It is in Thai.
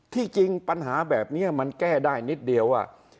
ที่จริงปัญหาแบบนี้มันแก้ได้นิดเดียวว่า